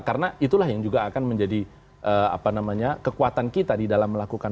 karena itulah yang juga akan menjadi kekuatan kita di dalam melakukan